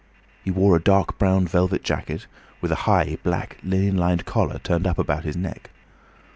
He wore a dark brown velvet jacket with a high, black, linen lined collar turned up about his neck.